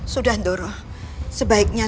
sudah doro sebaiknya